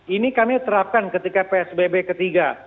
ini kami terapkan ketika psbb ketiga